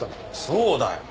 そうだよ。